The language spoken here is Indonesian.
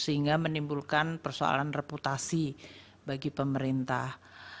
sehingga menimbulkan persoalan reputasi bagi pemerintah